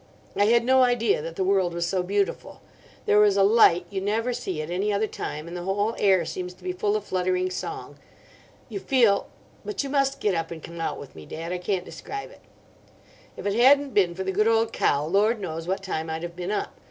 I had no idea that the world was so beautiful. There is a light you never see at any other time, and the whole air seems to be full of fluttering song. You feel—but you must get up and come out with me, Dad. I can't describe it. If it hadn't been for the good old cow, Lord knows what time I'd have been up.